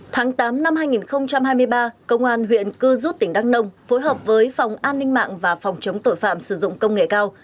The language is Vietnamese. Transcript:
tháng tám năm hai nghìn hai mươi ba công an huyện cư rút tỉnh đăng nông phối hợp với phòng an ninh mạng và phòng chống tội phạm sử dụng công nghệ cao